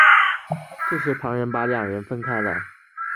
这时旁人把两人分开了。